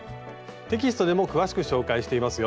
テキストでも詳しく紹介していますよ。